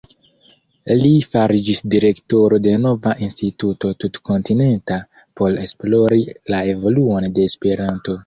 Li fariĝis direktoro de nova instituto tutkontinenta, por esplori la evoluon de Esperanto.